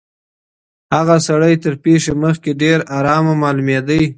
هغه سړی تر پېښي مخکي ډېر آرامه معلومېدی.